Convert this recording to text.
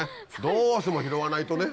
どうしても拾わないとね。